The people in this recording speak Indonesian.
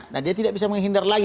nah dia tidak bisa menghindar lagi